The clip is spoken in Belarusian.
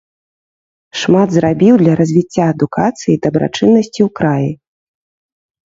Шмат зрабіў для развіцця адукацыі і дабрачыннасці ў краі.